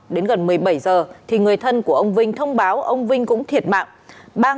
đến gần một mươi bảy giờ thì người thân của ông vinh thông báo ông vinh cũng thiệt mạng